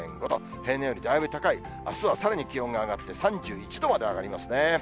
平年よりだいぶ高い、あすはさらに気温が上がって、３１度まで上がりますね。